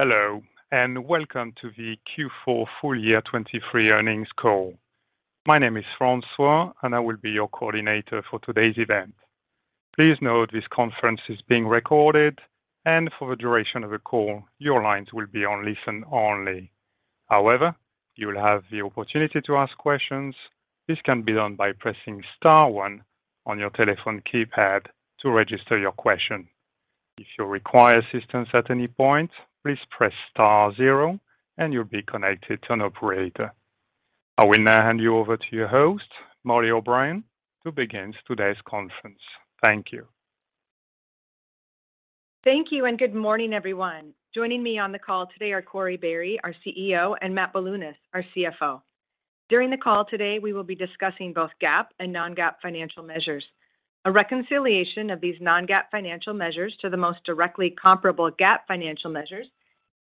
Hello, and welcome to the Q4 full year 2023 earnings call. My name is Francois, and I will be your coordinator for today's event. Please note this conference is being recorded, and for the duration of the call, your lines will be on listen only. However, you will have the opportunity to ask questions. This can be done by pressing star one on your telephone keypad to register your question. If you require assistance at any point, please press star zero and you'll be connected to an operator. I will now hand you over to your host, Mollie O'Brien, to begin today's conference. Thank you. Thank you. Good morning, everyone. Joining me on the call today are Corie Barry, our CEO, and Matt Bilunas, our CFO. During the call today, we will be discussing both GAAP and non-GAAP financial measures. A reconciliation of these non-GAAP financial measures to the most directly comparable GAAP financial measures,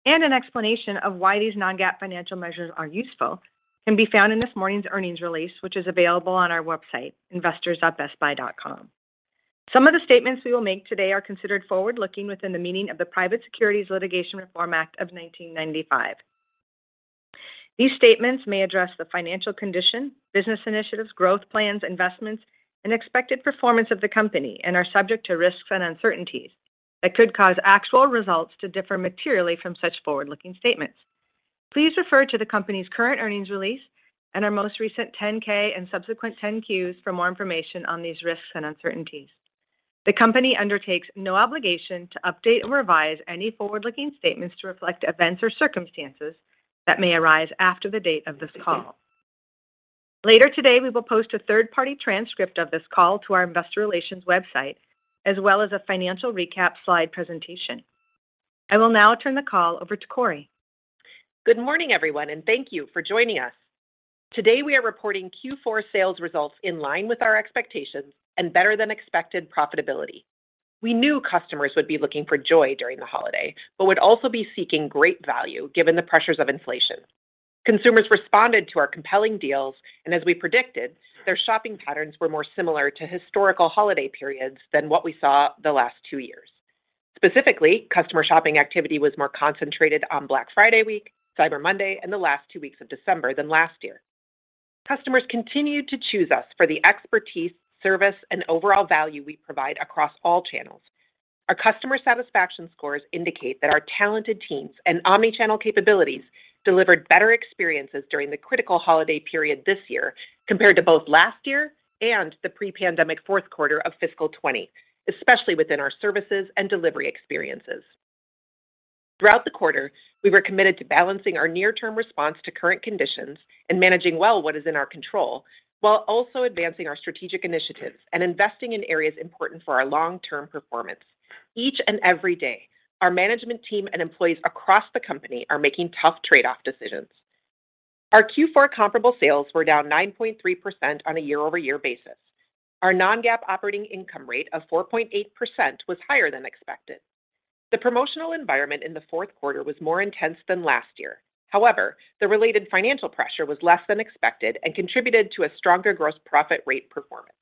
and an explanation of why these non-GAAP financial measures are useful, can be found in this morning's earnings release, which is available on our website, investors.bestbuy.com. Some of the statements we will make today are considered forward-looking within the meaning of the Private Securities Litigation Reform Act of 1995. These statements may address the financial condition, business initiatives, growth plans, investments, and expected performance of the company and are subject to risks and uncertainties that could cause actual results to differ materially from such forward-looking statements. Please refer to the company's current earnings release and our most recent 10-K and subsequent 10-Qs for more information on these risks and uncertainties. The company undertakes no obligation to update or revise any forward-looking statements to reflect events or circumstances that may arise after the date of this call. Later today, we will post a third-party transcript of this call to our investor relations website, as well as a financial recap slide presentation. I will now turn the call over to Corie. Good morning, everyone, and thank you for joining us. Today, we are reporting Q4 sales results in line with our expectations and better-than-expected profitability. We knew customers would be looking for joy during the holiday, but would also be seeking great value given the pressures of inflation. Consumers responded to our compelling deals, and as we predicted, their shopping patterns were more similar to historical holiday periods than what we saw the last two years. Specifically, customer shopping activity was more concentrated on Black Friday week, Cyber Monday, and the last two weeks of December than last year. Customers continued to choose us for the expertise, service, and overall value we provide across all channels. Our customer satisfaction scores indicate that our talented teams and omni-channel capabilities delivered better experiences during the critical holiday period this year compared to both last year and the pre-pandemic Q4 of fiscal 20, especially within our services and delivery experiences. Throughout the quarter, we were committed to balancing our near-term response to current conditions and managing well what is in our control while also advancing our strategic initiatives and investing in areas important for our long-term performance. Each and every day, our management team and employees across the company are making tough trade-off decisions. Our Q4 comparable sales were down 9.3% on a year-over-year basis. Our non-GAAP operating income rate of 4.8% was higher than expected. The promotional environment in the Q4 was more intense than last year. However, the related financial pressure was less than expected and contributed to a stronger gross profit rate performance.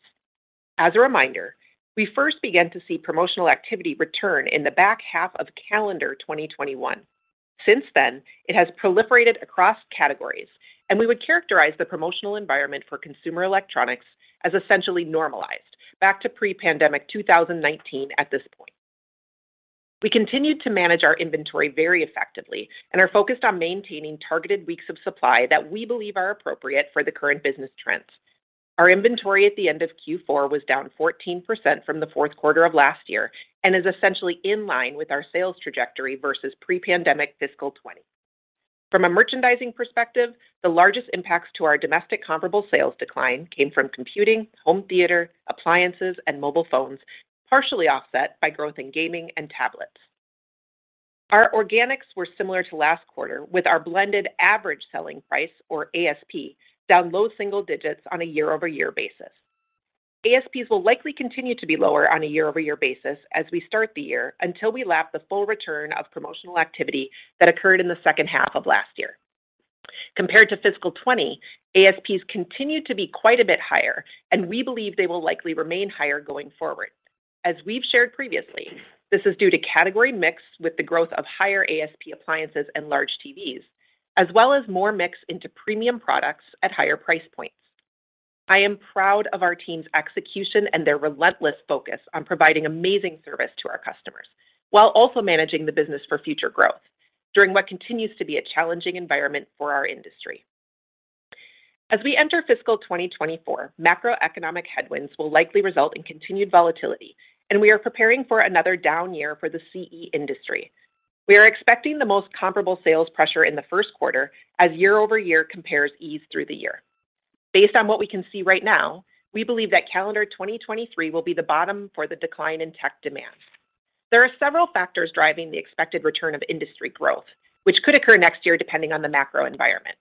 As a reminder, we first began to see promotional activity return in the back half of calendar 2021. Since then, it has proliferated across categories, and we would characterize the promotional environment for consumer electronics as essentially normalized back to pre-pandemic 2019 at this point. We continued to manage our inventory very effectively and are focused on maintaining targeted weeks of supply that we believe are appropriate for the current business trends. Our inventory at the end of Q4 was down 14% from the Q4 of last year and is essentially in line with our sales trajectory versus pre-pandemic fiscal 2020. From a merchandising perspective, the largest impacts to our domestic comparable sales decline came from computing, home theater, appliances, and mobile phones, partially offset by growth in gaming and tablets. Our organics were similar to last quarter, with our blended average selling price, or ASP, down low single digits on a year-over-year basis. ASPs will likely continue to be lower on a year-over-year basis as we start the year until we lap the full return of promotional activity that occurred in the H2 of last year. Compared to fiscal 20, ASPs continued to be quite a bit higher. We believe they will likely remain higher going forward. As we've shared previously, this is due to category mix with the growth of higher ASP appliances and large TVs, as well as more mix into premium products at higher price points. I am proud of our team's execution and their relentless focus on providing amazing service to our customers while also managing the business for future growth during what continues to be a challenging environment for our industry. As we enter fiscal 2024, macroeconomic headwinds will likely result in continued volatility, and we are preparing for another down year for the CE industry. We are expecting the most comparable sales pressure in the Q1 as year-over-year compares ease through the year. Based on what we can see right now, we believe that calendar 2023 will be the bottom for the decline in tech demand. There are several factors driving the expected return of industry growth, which could occur next year depending on the macro environment.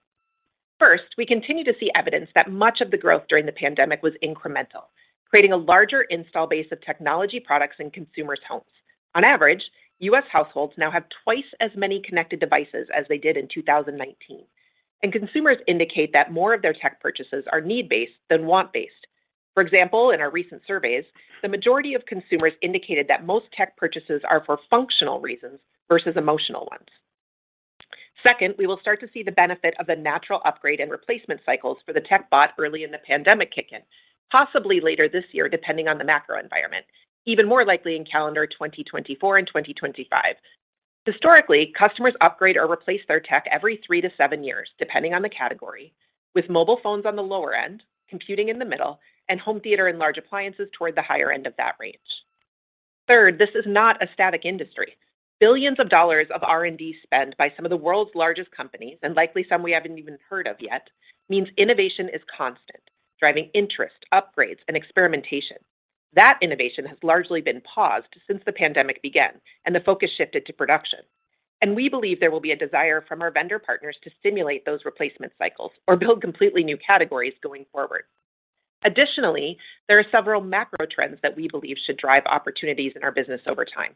First, we continue to see evidence that much of the growth during the pandemic was incremental, creating a larger install base of technology products in consumers' homes. On average, US households now have twice as many connected devices as they did in 2019, and consumers indicate that more of their tech purchases are need-based than want-based. For example, in our recent surveys, the majority of consumers indicated that most tech purchases are for functional reasons versus emotional ones. Second, we will start to see the benefit of the natural upgrade and replacement cycles for the tech bought early in the pandemic kick in, possibly later this year, depending on the macro environment, even more likely in calendar 2024 and 2025. Historically, customers upgrade or replace their tech every three to seven years, depending on the category, with mobile phones on the lower end, computing in the middle, and home theater and large appliances toward the higher end of that range. Third, this is not a static industry. Billions of dollars of R&D spend by some of the world's largest companies, and likely some we haven't even heard of yet, means innovation is constant, driving interest, upgrades, and experimentation. That innovation has largely been paused since the pandemic began and the focus shifted to production. We believe there will be a desire from our vendor partners to stimulate those replacement cycles or build completely new categories going forward. Additionally, there are several macro trends that we believe should drive opportunities in our business over time.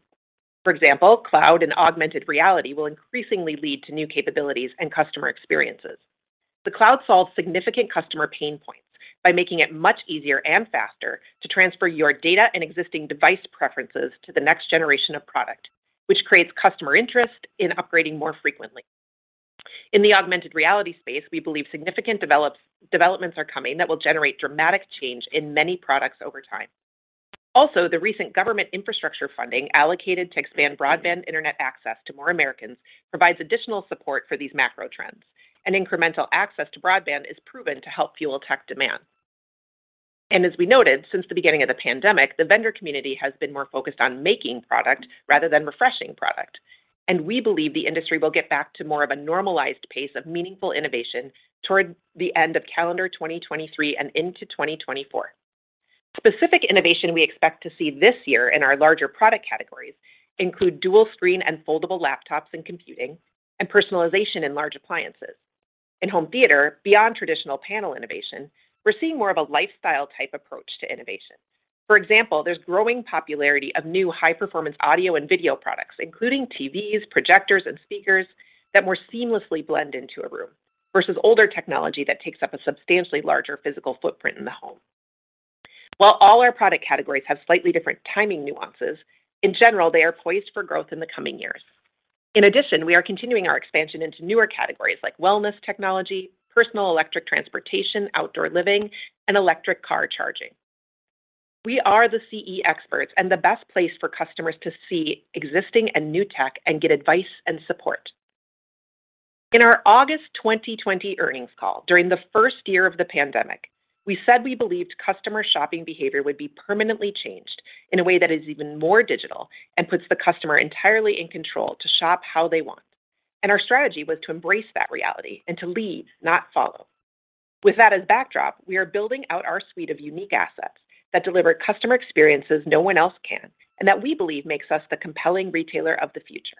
For example, cloud and augmented reality will increasingly lead to new capabilities and customer experiences. The cloud solves significant customer pain points by making it much easier and faster to transfer your data and existing device preferences to the next generation of product, which creates customer interest in upgrading more frequently. In the augmented reality space, we believe significant developments are coming that will generate dramatic change in many products over time. The recent government infrastructure funding allocated to expand broadband Internet access to more Americans provides additional support for these macro trends. Incremental access to broadband is proven to help fuel tech demand. As we noted, since the beginning of the pandemic, the vendor community has been more focused on making product rather than refreshing product, and we believe the industry will get back to more of a normalized pace of meaningful innovation toward the end of calendar 2023 and into 2024. Specific innovation we expect to see this year in our larger product categories include dual screen and foldable laptops and computing and personalization in large appliances. In home theater, beyond traditional panel innovation, we're seeing more of a lifestyle-type approach to innovation. For example, there's growing popularity of new high-performance audio and video products, including TVs, projectors, and speakers that more seamlessly blend into a room versus older technology that takes up a substantially larger physical footprint in the home. While all our product categories have slightly different timing nuances, in general, they are poised for growth in the coming years. In addition, we are continuing our expansion into newer categories like wellness technology, personal electric transportation, outdoor living, and electric car charging. We are the CE experts and the best place for customers to see existing and new tech and get advice and support. In our August 2020 earnings call, during the first year of the pandemic, we said we believed customer shopping behavior would be permanently changed in a way that is even more digital and puts the customer entirely in control to shop how they want. Our strategy was to embrace that reality and to lead, not follow. With that as backdrop, we are building out our suite of unique assets that deliver customer experiences no one else can and that we believe makes us the compelling retailer of the future.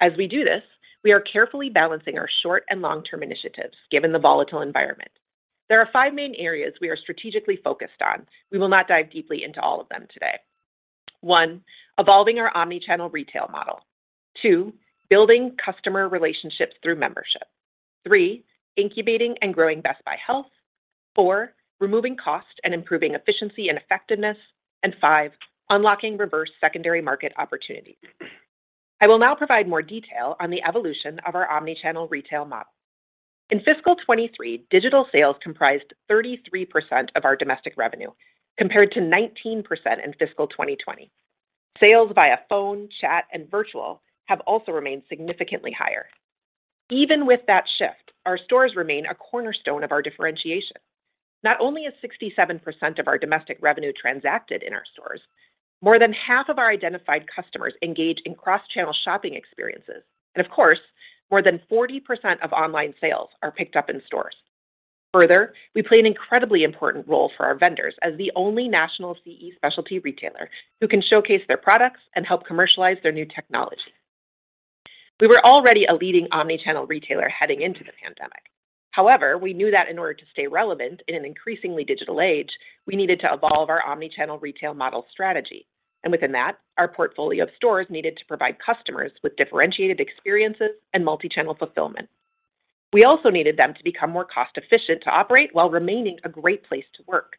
As we do this, we are carefully balancing our short and long-term initiatives, given the volatile environment. There are five main areas we are strategically focused on. We will not dive deeply into all of them today. One, evolving our omni-channel retail model. Two., building customer relationships through membership. Three, incubating and growing Best Buy Health. Four, removing cost and improving efficiency and effectiveness. Five, unlocking reverse secondary market opportunities. I will now provide more detail on the evolution of our omni-channel retail model. In fiscal 23, digital sales comprised 33% of our domestic revenue, compared to 19% in fiscal 2020. Sales via phone, chat, and virtual have also remained significantly higher. Even with that shift, our stores remain a cornerstone of our differentiation. Not only is 67% of our domestic revenue transacted in our stores, more than half of our identified customers engage in cross-channel shopping experiences. Of course, more than 40% of online sales are picked up in stores. Further, we play an incredibly important role for our vendors as the only national CE specialty retailer who can showcase their products and help commercialize their new technology. We were already a leading omni-channel retailer heading into the pandemic. However, we knew that in order to stay relevant in an increasingly digital age, we needed to evolve our omni-channel retail model strategy. Within that, our portfolio of stores needed to provide customers with differentiated experiences and multi-channel fulfillment. We also needed them to become more cost-efficient to operate while remaining a great place to work.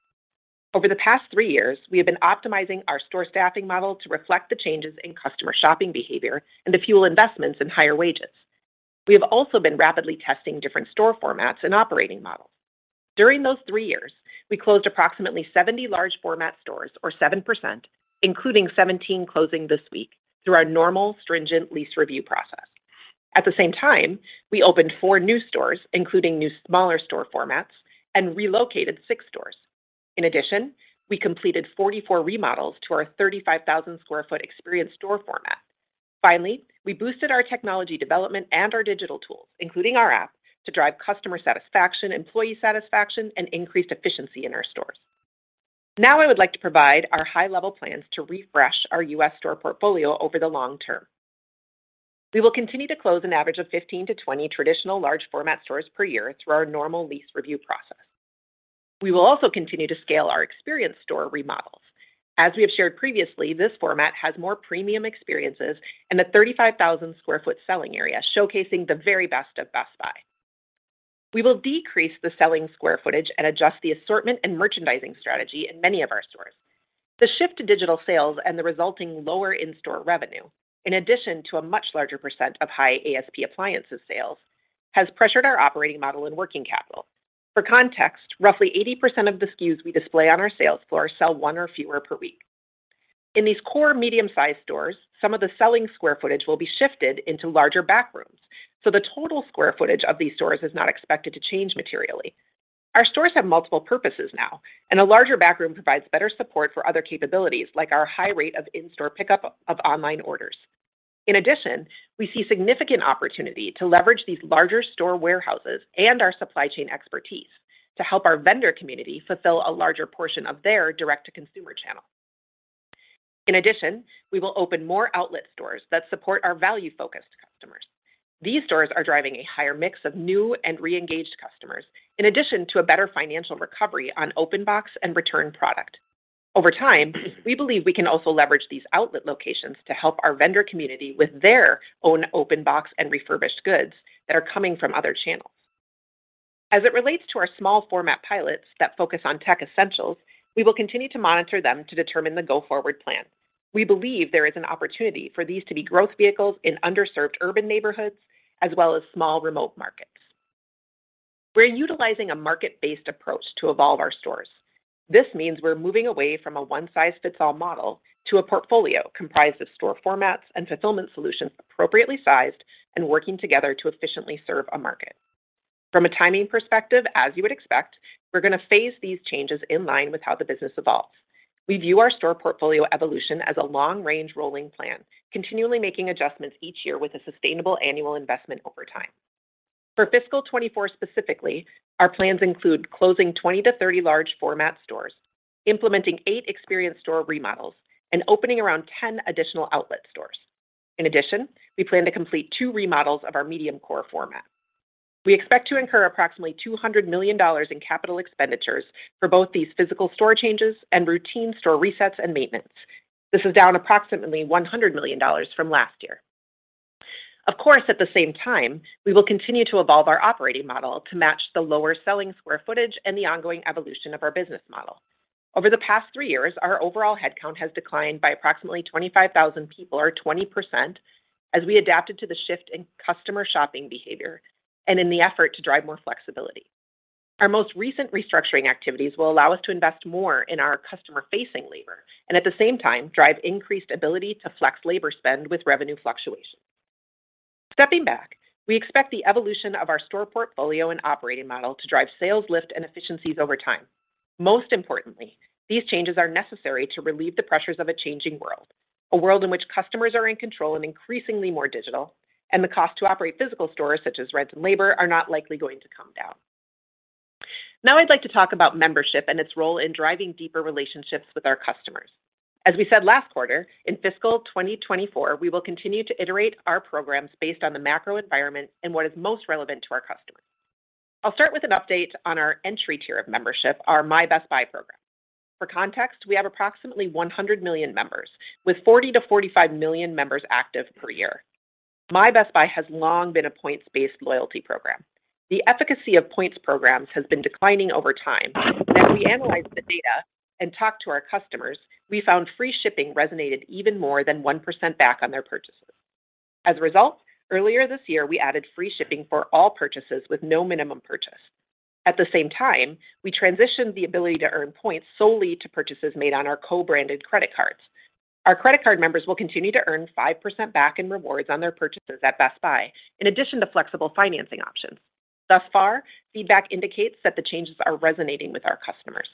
Over the past three years, we have been optimizing our store staffing model to reflect the changes in customer shopping behavior and to fuel investments in higher wages. We have also been rapidly testing different store formats and operating models. During those three years, we closed approximately 70 large format stores or 7%, including 17 closing this week through our normal stringent lease review process. At the same time, we opened 4 new stores, including new smaller store formats and relocated 6 stores. We completed 44 remodels to our 35,000 sq ft experience store format. We boosted our technology development and our digital tools, including our app, to drive customer satisfaction, employee satisfaction, and increased efficiency in our stores. I would like to provide our high-level plans to refresh our U.S. store portfolio over the long term. We will continue to close an average of 15-20 traditional large format stores per year through our normal lease review process. We will also continue to scale our experience store remodels. We have shared previously, this format has more premium experiences and a 35,000 sq ft selling area, showcasing the very best of Best Buy. We will decrease the selling square footage and adjust the assortment and merchandising strategy in many of our stores. The shift to digital sales and the resulting lower in-store revenue, in addition to a much larger % of high ASP appliances sales, has pressured our operating model and working capital. For context, roughly 80% of the SKUs we display on our sales floor sell 1 or fewer per week. In these core medium-sized stores, some of the selling square footage will be shifted into larger back rooms, so the total square footage of these stores is not expected to change materially. Our stores have multiple purposes now, and a larger back room provides better support for other capabilities, like our high rate of in-store pickup of online orders. In addition, we see significant opportunity to leverage these larger store warehouses and our supply chain expertise to help our vendor community fulfill a larger portion of their direct-to-consumer channel. In addition, we will open more outlet stores that support our value-focused customers. These stores are driving a higher mix of new and reengaged customers in addition to a better financial recovery on open box and return product. Over time, we believe we can also leverage these outlet locations to help our vendor community with their own open box and refurbished goods that are coming from other channels. As it relates to our small format pilots that focus on tech essentials, we will continue to monitor them to determine the go-forward plan. We believe there is an opportunity for these to be growth vehicles in underserved urban neighborhoods as well as small remote markets. We're utilizing a market-based approach to evolve our stores. This means we're moving away from a one-size-fits-all model to a portfolio comprised of store formats and fulfillment solutions appropriately sized and working together to efficiently serve a market. From a timing perspective, as you would expect, we're going to phase these changes in line with how the business evolves. We view our store portfolio evolution as a long-range rolling plan, continually making adjustments each year with a sustainable annual investment over time. For fiscal 2024 specifically, our plans include closing 20-30 large format stores, implementing eight experience store remodels, and opening around 10 additional outlet stores. In addition, we plan to complete 2 remodels of our medium core format. We expect to incur approximately $200 million in capital expenditures for both these physical store changes and routine store resets and maintenance. This is down approximately $100 million from last year. Of course, at the same time, we will continue to evolve our operating model to match the lower selling square footage and the ongoing evolution of our business model. Over the past three years, our overall headcount has declined by approximately 25,000 people or 20% as we adapted to the shift in customer shopping behavior and in the effort to drive more flexibility. Our most recent restructuring activities will allow us to invest more in our customer-facing labor and at the same time drive increased ability to flex labor spend with revenue fluctuation. Stepping back, we expect the evolution of our store portfolio and operating model to drive sales lift and efficiencies over time. Most importantly, these changes are necessary to relieve the pressures of a changing world, a world in which customers are in control and increasingly more digital, and the cost to operate physical stores, such as rents and labor, are not likely going to come down. I'd like to talk about membership and its role in driving deeper relationships with our customers. As we said last quarter, in fiscal 2024, we will continue to iterate our programs based on the macro environment and what is most relevant to our customers. I'll start with an update on our entry tier of membership, our My Best Buy program. For context, we have approximately 100 million members with 40 million-45 million members active per year. My Best Buy has long been a points-based loyalty program. The efficacy of points programs has been declining over time. As we analyzed the data and talked to our customers, we found free shipping resonated even more than 1% back on their purchases. As a result, earlier this year, we added free shipping for all purchases with no minimum purchase. At the same time, we transitioned the ability to earn points solely to purchases made on our co-branded credit cards. Our credit card members will continue to earn 5% back in rewards on their purchases at Best Buy in addition to flexible financing options. Thus far, feedback indicates that the changes are resonating with our customers.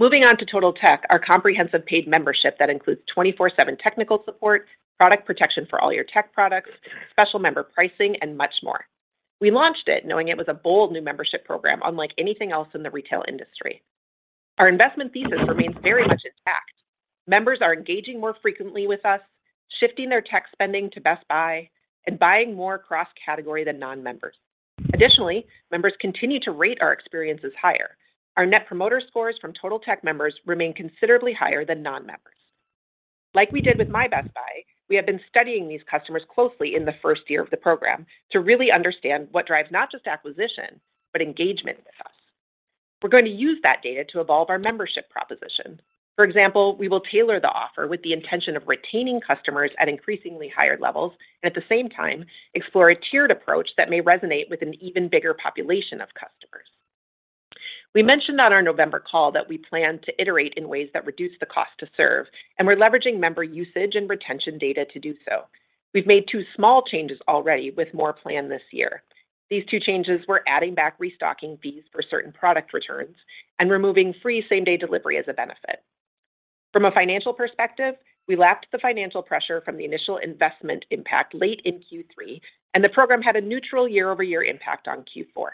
Moving on to Totaltech, our comprehensive paid membership that includes 24/7 technical support, product protection for all your tech products, special member pricing, and much more. We launched it knowing it was a bold new membership program unlike anything else in the retail industry. Our investment thesis remains very much intact. Members are engaging more frequently with us, shifting their tech spending to Best Buy and buying more cross-category than non-members. Additionally, members continue to rate our experiences higher. Our Net Promoter Scores from Totaltech members remain considerably higher than non-members. Like we did with My Best Buy, we have been studying these customers closely in the first year of the program to really understand what drives not just acquisition, but engagement with us. We're going to use that data to evolve our membership proposition. For example, we will tailor the offer with the intention of retaining customers at increasingly higher levels and at the same time, explore a tiered approach that may resonate with an even bigger population of customers. We mentioned on our November call that we plan to iterate in ways that reduce the cost to serve, and we're leveraging member usage and retention data to do so. We've made two small changes already with more planned this year. These two changes were adding back restocking fees for certain product returns and removing free same-day delivery as a benefit. From a financial perspective, we lapped the financial pressure from the initial investment impact late in Q3, and the program had a neutral year-over-year impact on Q4.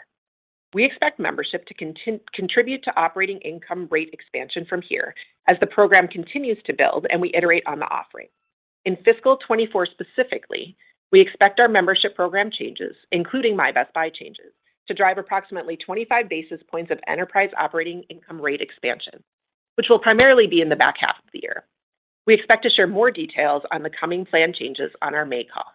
We expect membership to contribute to operating income rate expansion from here as the program continues to build and we iterate on the offering. In fiscal 2024 specifically, we expect our membership program changes, including My Best Buy changes, to drive approximately 25 basis points of enterprise operating income rate expansion, which will primarily be in the back half of the year. We expect to share more details on the coming plan changes on our May call.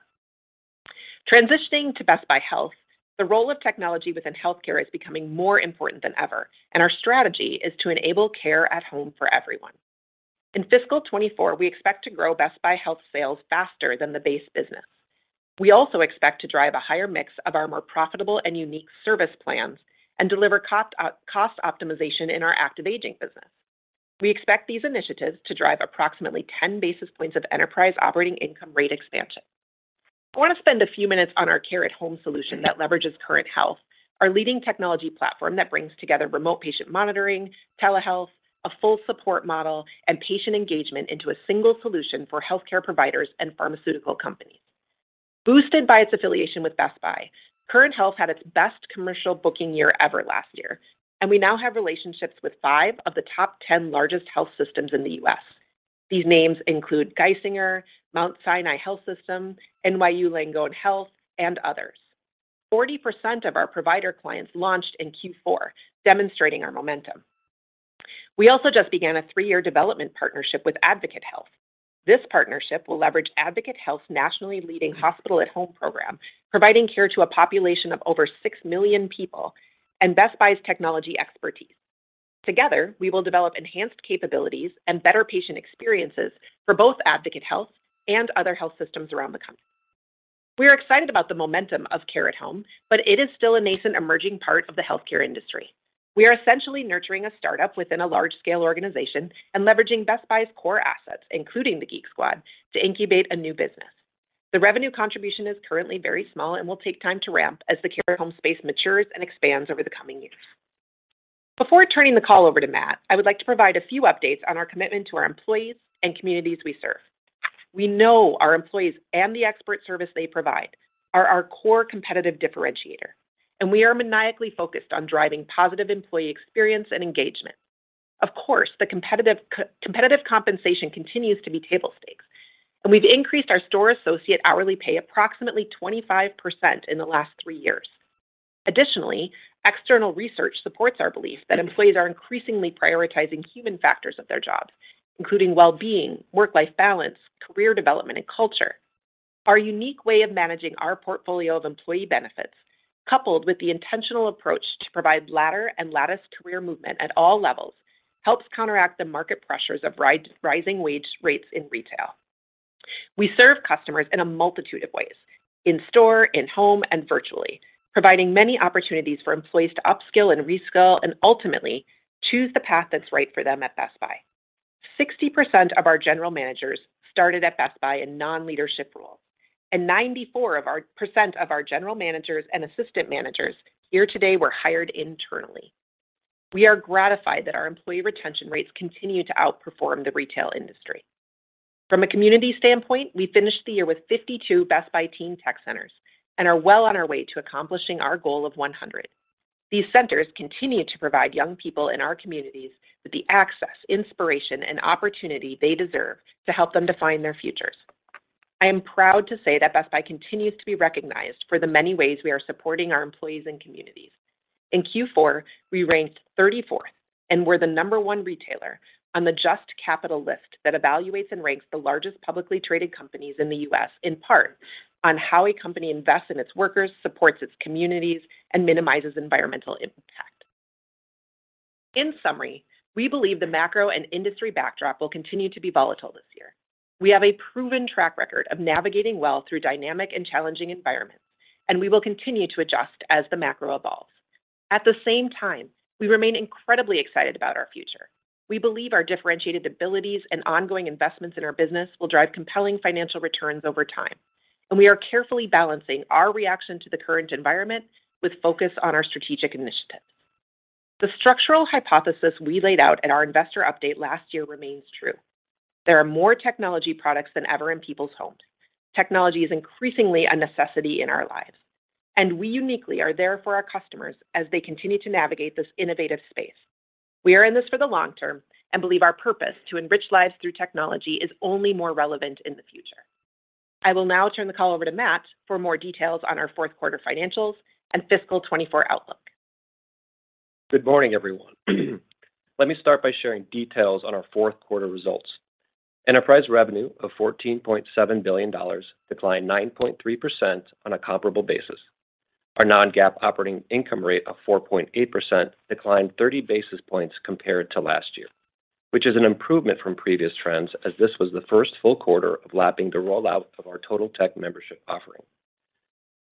Transitioning to Best Buy Health, the role of technology within healthcare is becoming more important than ever, and our strategy is to enable care at home for everyone. In fiscal 2024, we expect to grow Best Buy Health sales faster than the base business. We also expect to drive a higher mix of our more profitable and unique service plans and deliver cost optimization in our active aging business. We expect these initiatives to drive approximately 10 basis points of enterprise operating income rate expansion. I want to spend a few minutes on our care at home solution that leverages Current Health, our leading technology platform that brings together remote patient monitoring, telehealth, a full support model, and patient engagement into a single solution for healthcare providers and pharmaceutical companies. Boosted by its affiliation with Best Buy, Current Health had its best commercial booking year ever last year, and we now have relationships with five of the top 10 largest health systems in the U.S. These names include Geisinger, Mount Sinai Health System, NYU Langone Health, and others. 40% of our provider clients launched in Q4, demonstrating our momentum. We also just began a three-year development partnership with Advocate Health. This partnership will leverage Advocate Health's nationally leading hospital at home program, providing care to a population of over 6 million people and Best Buy's technology expertise. Together, we will develop enhanced capabilities and better patient experiences for both Advocate Health and other health systems around the country. We are excited about the momentum of care at home, but it is still a nascent, emerging part of the healthcare industry. We are essentially nurturing a startup within a large-scale organization and leveraging Best Buy's core assets, including the Geek Squad, to incubate a new business. The revenue contribution is currently very small and will take time to ramp as the care at home space matures and expands over the coming years. Before turning the call over to Matt, I would like to provide a few updates on our commitment to our employees and communities we serve. We know our employees and the expert service they provide are our core competitive differentiator, and we are maniacally focused on driving positive employee experience and engagement. Of course, the competitive compensation continues to be table stakes, and we've increased our store associate hourly pay approximately 25% in the last three years. Additionally, external research supports our belief that employees are increasingly prioritizing human factors of their jobs, including well-being, work-life balance, career development, and culture. Our unique way of managing our portfolio of employee benefits, coupled with the intentional approach to provide ladder and lattice career movement at all levels, helps counteract the market pressures of rising wage rates in retail. We serve customers in a multitude of ways: in store, in home, and virtually, providing many opportunities for employees to upskill and reskill and ultimately choose the path that's right for them at Best Buy. 60% of our general managers started at Best Buy in non-leadership roles. 94% of our general managers and assistant managers here today were hired internally. We are gratified that our employee retention rates continue to outperform the retail industry. From a community standpoint, we finished the year with 52 Best Buy Teen Tech Centers and are well on our way to accomplishing our goal of 100. These centers continue to provide young people in our communities with the access, inspiration, and opportunity they deserve to help them define their futures. I am proud to say that Best Buy continues to be recognized for the many ways we are supporting our employees and communities. In Q4, we ranked 34th and were the number 1 retailer on the JUST Capital list that evaluates and ranks the largest publicly traded companies in the US, in part on how a company invests in its workers, supports its communities, and minimizes environmental impact. In summary, we believe the macro and industry backdrop will continue to be volatile this year. We have a proven track record of navigating well through dynamic and challenging environments, and we will continue to adjust as the macro evolves. At the same time, we remain incredibly excited about our future. We believe our differentiated abilities and ongoing investments in our business will drive compelling financial returns over time, and we are carefully balancing our reaction to the current environment with focus on our strategic initiatives. The structural hypothesis we laid out at our investor update last year remains true. There are more technology products than ever in people's homes. Technology is increasingly a necessity in our lives, and we uniquely are there for our customers as they continue to navigate this innovative space. We are in this for the long term and believe our purpose to enrich lives through technology is only more relevant in the future. I will now turn the call over to Matt for more details on our Q4 financials and fiscal 24 outlook. Good morning, everyone. Let me start by sharing details on our Q4 results. Enterprise revenue of $14.7 billion declined 9.3% on a comparable basis. Our non-GAAP operating income rate of 4.8% declined 30 basis points compared to last year, which is an improvement from previous trends as this was the first full quarter of lapping the rollout of our Totaltech membership offering.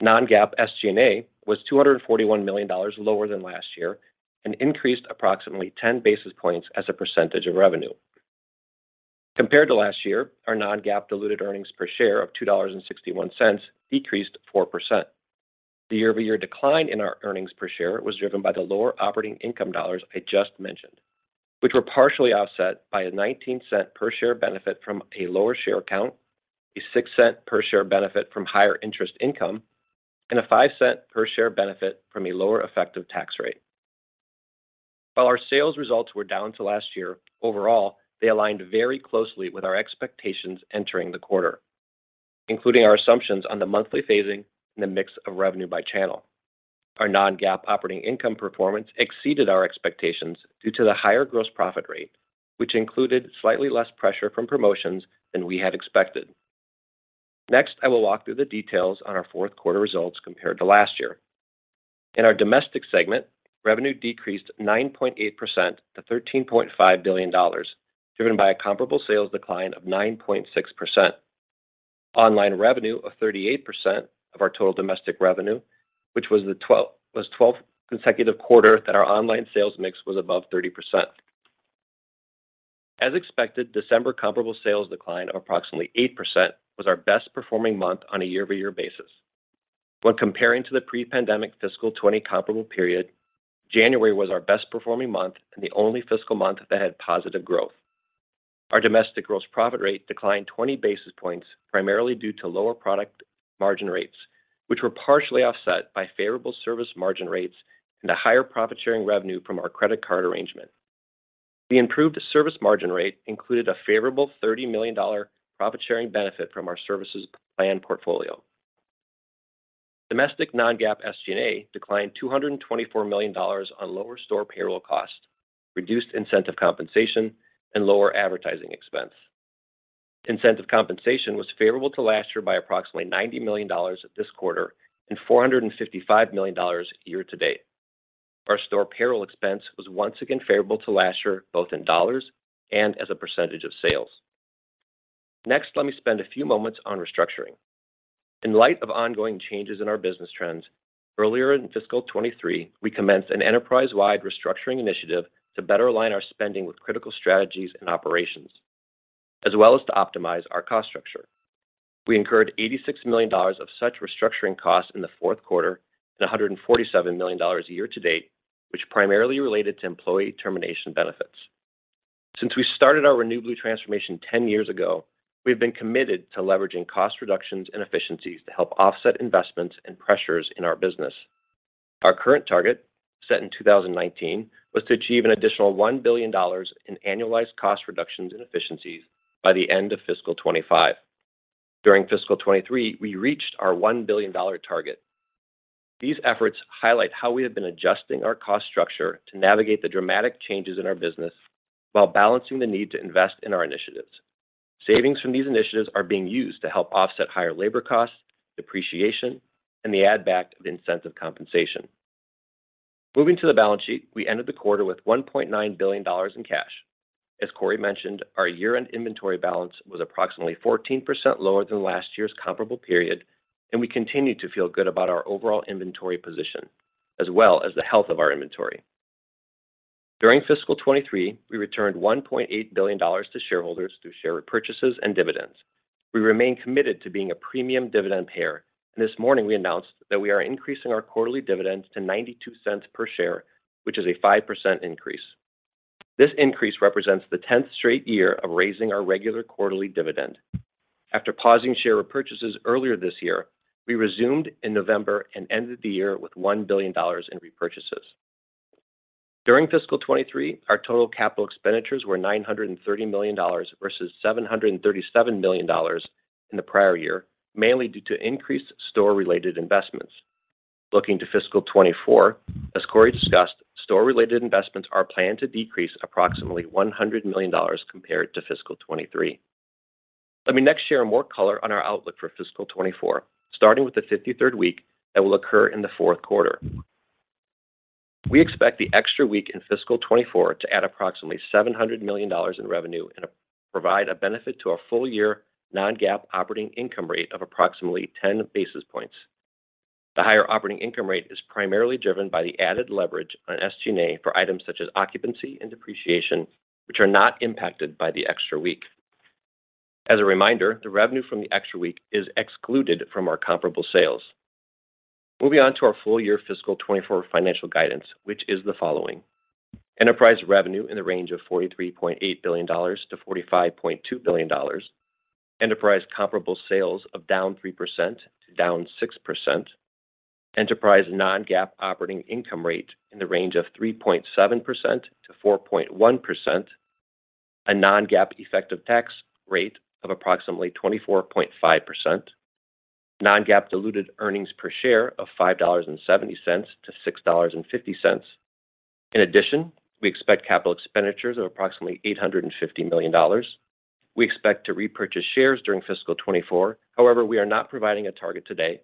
Non-GAAP SG&A was $241 million lower than last year and increased approximately 10 basis points as a percentage of revenue. Compared to last year, our non-GAAP diluted earnings per share of $2.61 decreased 4%. The year-over-year decline in our earnings per share was driven by the lower operating income dollars I just mentioned, which were partially offset by a $0.19 per share benefit from a lower share count, a $0.06 per share benefit from higher interest income, and a $0.05 per share benefit from a lower effective tax rate. While our sales results were down to last year, overall, they aligned very closely with our expectations entering the quarter, including our assumptions on the monthly phasing and the mix of revenue by channel. Our non-GAAP operating income performance exceeded our expectations due to the higher gross profit rate, which included slightly less pressure from promotions than we had expected. Next, I will walk through the details on our Q4 results compared to last year. In our domestic segment, revenue decreased 9.8% to $13.5 billion, driven by a comparable sales decline of 9.6%. Online revenue of 38% of our total domestic revenue, which was the 12th consecutive quarter that our online sales mix was above 30%. As expected, December comparable sales decline of approximately 8% was our best-performing month on a year-over-year basis. When comparing to the pre-pandemic fiscal 20 comparable period, January was our best-performing month and the only fiscal month that had positive growth. Our domestic gross profit rate declined 20 basis points, primarily due to lower product margin rates, which were partially offset by favorable service margin rates and a higher profit-sharing revenue from our credit card arrangement. The improved service margin rate included a favorable $30 million profit-sharing benefit from our services plan portfolio. Domestic non-GAAP SG&A declined $224 million on lower store payroll cost, reduced incentive compensation, and lower advertising expense. Incentive compensation was favorable to last year by approximately $90 million this quarter and $455 million year to date. Our store payroll expense was once again favorable to last year, both in dollars and as a percentage of sales. Let me spend a few moments on restructuring. In light of ongoing changes in our business trends, earlier in fiscal 23, we commenced an enterprise-wide restructuring initiative to better align our spending with critical strategies and operations, as well as to optimize our cost structure. We incurred $86 million of such restructuring costs in the Q4 and $147 million year to date, which primarily related to employee termination benefits. Since we started our Renew Blue transformation 10 years ago, we have been committed to leveraging cost reductions and efficiencies to help offset investments and pressures in our business. Our current target, set in 2019, was to achieve an additional $1 billion in annualized cost reductions and efficiencies by the end of fiscal 25. During fiscal 23, we reached our $1 billion target. These efforts highlight how we have been adjusting our cost structure to navigate the dramatic changes in our business while balancing the need to invest in our initiatives. Savings from these initiatives are being used to help offset higher labor costs, depreciation, and the add back of incentive compensation. Moving to the balance sheet, we ended the quarter with $1.9 billion in cash. As Corie mentioned, our year-end inventory balance was approximately 14% lower than last year's comparable period, we continue to feel good about our overall inventory position as well as the health of our inventory. During fiscal 23, we returned $1.8 billion to shareholders through share repurchases and dividends. We remain committed to being a premium dividend payer. This morning, we announced that we are increasing our quarterly dividend to $0.92 per share, which is a 5% increase. This increase represents the 10th straight year of raising our regular quarterly dividend. After pausing share repurchases earlier this year, we resumed in November and ended the year with $1 billion in repurchases. During fiscal 23, our total capital expenditures were $930 million versus $737 million in the prior year, mainly due to increased store-related investments. Looking to fiscal 2024, as Corie discussed, store-related investments are planned to decrease approximately $100 million compared to fiscal 2023. Let me next share more color on our outlook for fiscal 2024, starting with the 53rd week that will occur in the Q4. We expect the extra week in fiscal 2024 to add approximately $700 million in revenue and provide a benefit to our full-year non-GAAP operating income rate of approximately 10 basis points. The higher operating income rate is primarily driven by the added leverage on SG&A for items such as occupancy and depreciation, which are not impacted by the extra week. As a reminder, the revenue from the extra week is excluded from our comparable sales. Moving on to our full-year fiscal 2024 financial guidance, which is the following. Enterprise revenue in the range of $43.8 billion-$45.2 billion. Enterprise comparable sales of down 3% to down 6%. Enterprise non-GAAP operating income rate in the range of 3.7%-4.1%. A non-GAAP effective tax rate of approximately 24.5%. Non-GAAP diluted earnings per share of $5.70-$6.50. We expect capital expenditures of approximately $850 million. We expect to repurchase shares during fiscal 2024. We are not providing a target today.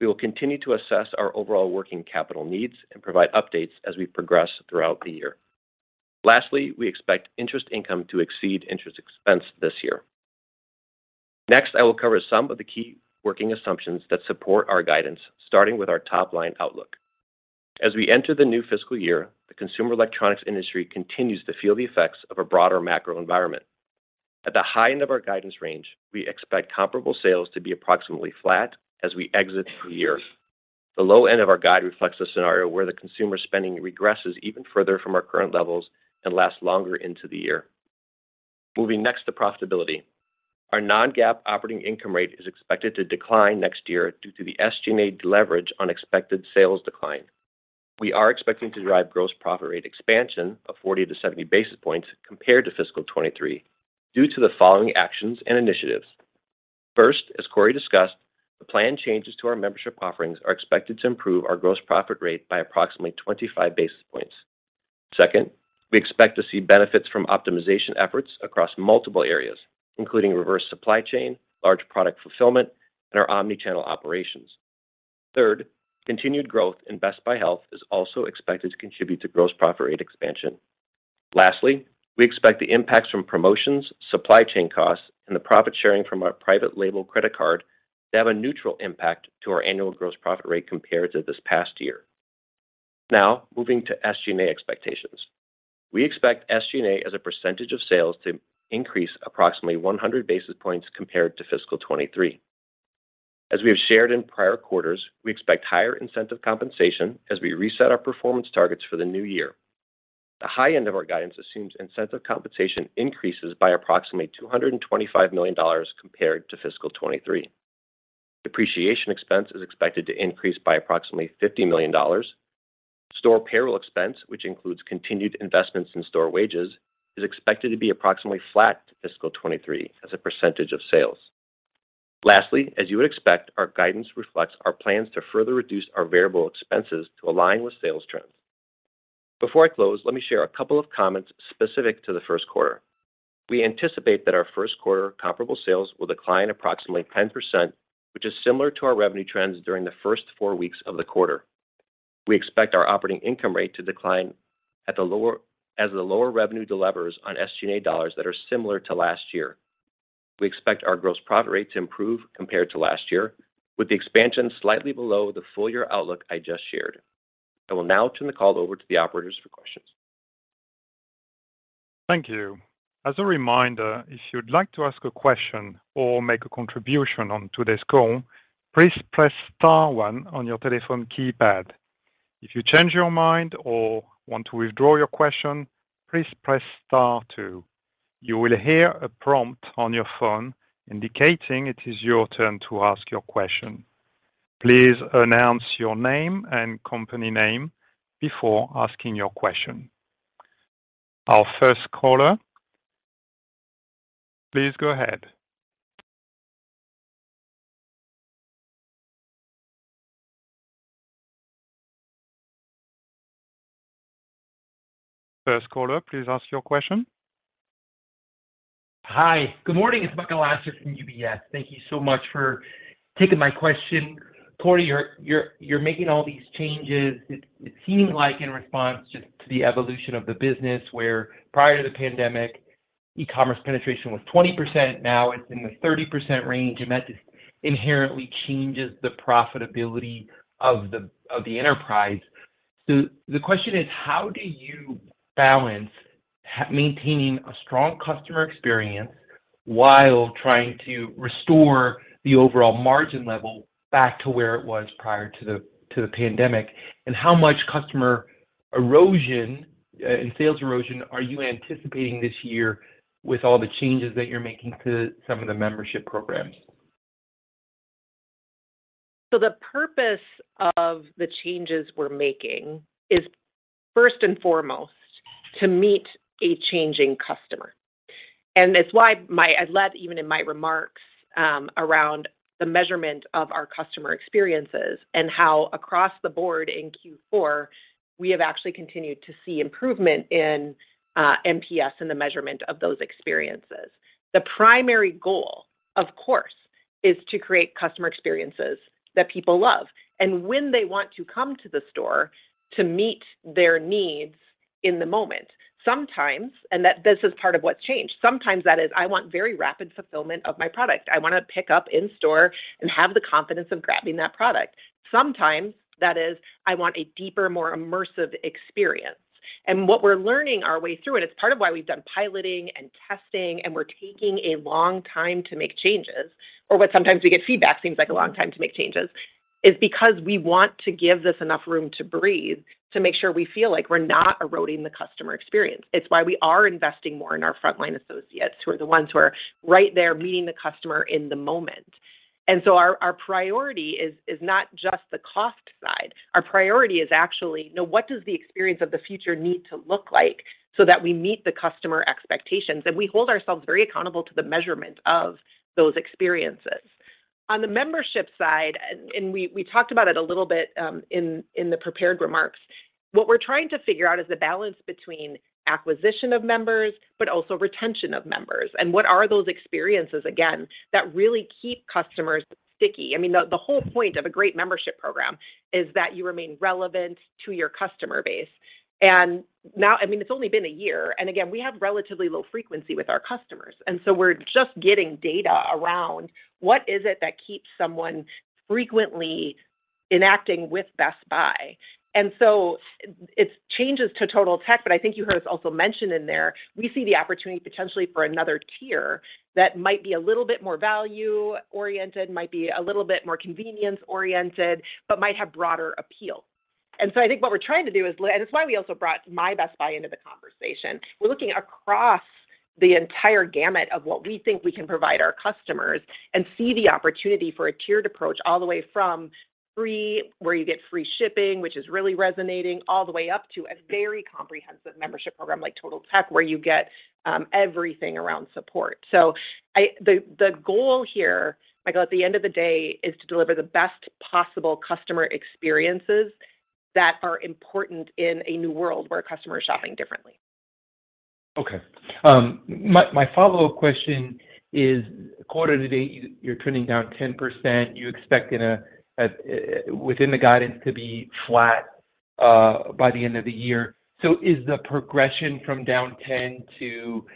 We will continue to assess our overall working capital needs and provide updates as we progress throughout the year. We expect interest income to exceed interest expense this year. I will cover some of the key working assumptions that support our guidance, starting with our top-line outlook. We enter the new fiscal year, the consumer electronics industry continues to feel the effects of a broader macro environment. At the high end of our guidance range, we expect comparable sales to be approximately flat as we exit the year. The low end of our guide reflects a scenario where the consumer spending regresses even further from our current levels and lasts longer into the year. Moving next to profitability. Our non-GAAP operating income rate is expected to decline next year due to the SG&A leverage on expected sales decline. We are expecting to drive gross profit rate expansion of 40 to 70 basis points compared to fiscal 2023 due to the following actions and initiatives. First, as Corie discussed, the planned changes to our membership offerings are expected to improve our gross profit rate by approximately 25 basis points. Second, we expect to see benefits from optimization efforts across multiple areas, including reverse supply chain, large product fulfillment, and our omni-channel operations. Third, continued growth in Best Buy Health is also expected to contribute to gross profit rate expansion. Lastly, we expect the impacts from promotions, supply chain costs, and the profit sharing from our private label credit card to have a neutral impact to our annual gross profit rate compared to this past year. Moving to SG&A expectations. We expect SG&A as a % of sales to increase approximately 100 basis points compared to fiscal 23. As we have shared in prior quarters, we expect higher incentive compensation as we reset our performance targets for the new year. The high end of our guidance assumes incentive compensation increases by approximately $225 million compared to fiscal 2023. Depreciation expense is expected to increase by approximately $50 million. Store payroll expense, which includes continued investments in store wages, is expected to be approximately flat to fiscal 2023 as a percentage of sales. As you would expect, our guidance reflects our plans to further reduce our variable expenses to align with sales trends. Before I close, let me share a couple of comments specific to the Q1. We anticipate that our Q1 comparable sales will decline approximately 10%, which is similar to our revenue trends during the first four weeks of the quarter. We expect our operating income rate to decline as the lower revenue delevers on SG&A dollars that are similar to last year. We expect our gross profit rate to improve compared to last year, with the expansion slightly below the full-year outlook I just shared. I will now turn the call over to the operators for questions. Thank you. As a reminder, if you'd like to ask a question or make a contribution on today's call, please press star one on your telephone keypad. If you change your mind or want to withdraw your question, please press star two. You will hear a prompt on your phone indicating it is your turn to ask your question. Please announce your name and company name before asking your question. Our first caller. Please go ahead. First caller, please ask your question. Hi, good morning. It's Michael Lasser from UBS. Thank you so much for taking my question. Corie, you're making all these changes. It seems like in response just to the evolution of the business where prior to the pandemic, e-commerce penetration was 20%, now it's in the 30% range, and that just inherently changes the profitability of the enterprise. The question is, how do you balance maintaining a strong customer experience while trying to restore the overall margin level back to where it was prior to the pandemic? How much customer erosion and sales erosion are you anticipating this year with all the changes that you're making to some of the membership programs? The purpose of the changes we're making is first and foremost to meet a changing customer. It's why I led even in my remarks around the measurement of our customer experiences and how across the board in Q4, we have actually continued to see improvement in NPS and the measurement of those experiences. The primary goal, of course, is to create customer experiences that people love, and when they want to come to the store to meet their needs in the moment. Sometimes, and that this is part of what's changed, sometimes that is I want very rapid fulfillment of my product. I want to pick up in store and have the confidence of grabbing that product. Sometimes that is I want a deeper, more immersive experience. What we're learning our way through, and it's part of why we've done piloting and testing, and we're taking a long time to make changes, or what sometimes we get feedback seems like a long time to make changes, is because we want to give this enough room to breathe to make sure we feel like we're not eroding the customer experience. It's why we are investing more in our frontline associates, who are the ones who are right there meeting the customer in the moment. Our priority is not just the cost side. Our priority is actually, no, what does the experience of the future need to look like so that we meet the customer expectations? We hold ourselves very accountable to the measurement of those experiences. On the membership side, and we talked about it a little bit in the prepared remarks, what we're trying to figure out is the balance between acquisition of members but also retention of members and what are those experiences again that really keep customers sticky. I mean, the whole point of a great membership program is that you remain relevant to your customer base. I mean, it's only been a year, and again, we have relatively low frequency with our customers. We're just getting data around what is it that keeps someone frequently enacting with Best Buy. It's changes to Totaltech, but I think you heard us also mention in there, we see the opportunity potentially for another tier that might be a little bit more value-oriented, might be a little bit more convenience-oriented, but might have broader appeal. I think what we're trying to do is and it's why we also brought My Best Buy into the conversation. We're looking across the entire gamut of what we think we can provide our customers and see the opportunity for a tiered approach all the way from free, where you get free shipping, which is really resonating, all the way up to a very comprehensive membership program like Totaltech, where you get everything around support. The goal here, Michael, at the end of the day, is to deliver the best possible customer experiences that are important in a new world where a customer is shopping differently. Okay. My follow-up question is: quarter to date, you're trending down 10%. You expect within the guidance to be flat by the end of the year. Is the progression from down 10% to